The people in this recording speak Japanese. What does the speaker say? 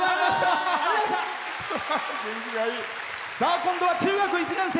今度は中学１年生。